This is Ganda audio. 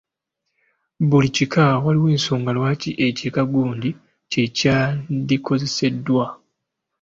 Buli kika waliwo ensonga lwaki ekika gundi kye kyandikozeseddwa!